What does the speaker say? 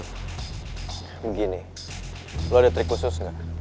begini lo ada trik khusus nggak